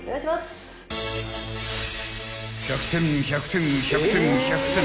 ［１００点１００点１００点１００点］